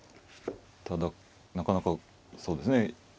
ただなかなかそうですね。